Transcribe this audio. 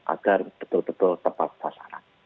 agar betul betul tepat pasaran